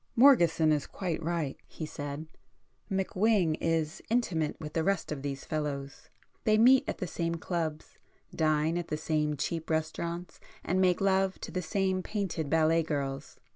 "Morgeson is quite right,"—he said—"McWhing is intimate with the rest of these fellows—they meet at the same clubs, dine at the same cheap restaurants and make love to the same painted ballet girls.